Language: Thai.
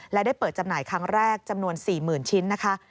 และได้เปิดจำหน่ายครั้งแรกจำนวน๔๐๐๐ชิ้นนะคะ